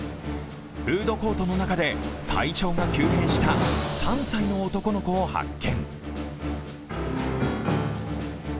フードコートの中で体長が急変した３歳の男の子を発見。